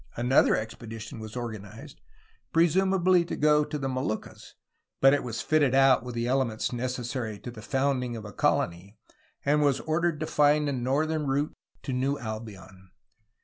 Another expedition was organized, presumably to go to the DRAKE AND NEW ALBION 111 Moluccas, but it was fitted out with the elements necessary to the founding of a colony and was ordered to find a northern route to New Albion.